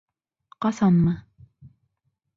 — Ҡасанмы?